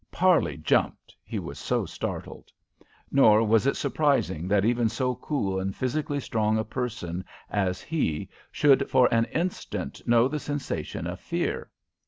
Parley jumped, he was so startled. Nor was it surprising that even so cool and physically strong a person as he should for an instant know the sensation of fear.